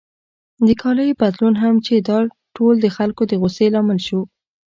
د کالیو بدلون هم چې دا ټول د خلکو د غوسې لامل شو.